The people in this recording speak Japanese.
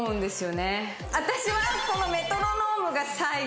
私はこの。